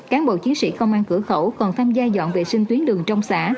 cán bộ chiến sĩ công an cửa khẩu còn tham gia dọn vệ sinh tuyến đường trong xã